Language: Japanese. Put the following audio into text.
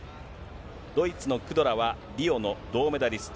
ドイツのクドラはリオの銅メダリスト。